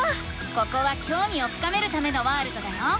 ここはきょうみを深めるためのワールドだよ。